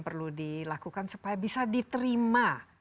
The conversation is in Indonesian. perlu dilakukan supaya bisa diterima